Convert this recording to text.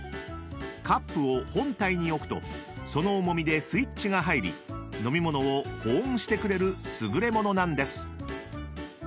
［カップを本体に置くとその重みでスイッチが入り飲み物を保温してくれる優れ物なんです］